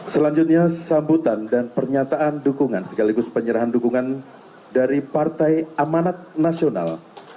selanjutnya sambutan dan pernyataan dukungan sekaligus penyerahan dukungan dari partai amanat nasional